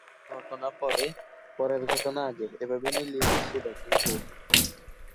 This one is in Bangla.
আগের ঘটনা পরে, পরের ঘটনা আগে এভাবে মিলিয়ে-মিশিয়ে দেখানো হয়েছে।